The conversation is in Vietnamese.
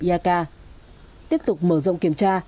iaca tiếp tục mở rộng kiểm tra